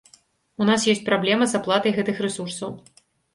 У нас ёсць праблема з аплатай гэтых рэсурсаў.